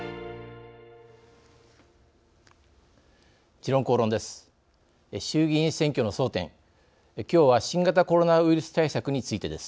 「時論公論」です。